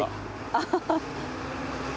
アハハ。